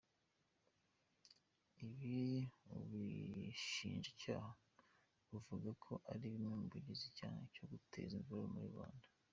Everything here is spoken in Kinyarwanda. Ibi Ubushinjacyaha buvuga ko ari bimwe mu bigize icyaha cyo guteza imvururu muri rubanda.